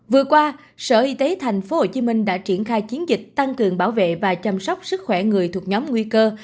vừa qua sở y tế tp hcm đã triển khai chiến dịch tăng cường bảo vệ và chăm sóc sức khỏe người thuộc nhóm nguy cơ